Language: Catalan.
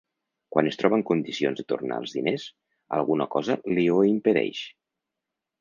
Quan es troba en condicions de tornar els diners, alguna cosa li ho impedeix.